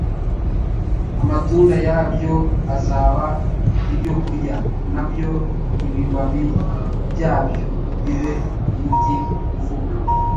amatunda yabyo azaba ibyokurya, nabyo ibibabi byabyo bibe umuti uvura. »